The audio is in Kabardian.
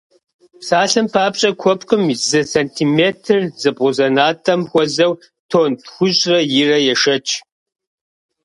Псалъэм папщӏэ, куэпкъым и зы сантиметр зэбгъузэнатӏэм хуэзэу тонн тхущӏрэ ирэ ешэч!